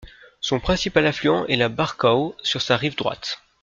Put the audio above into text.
Son principal affluent est la Barcău sur sa rive droite.